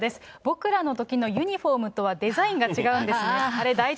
僕らのときのユニホームとはデザインが違うんですね。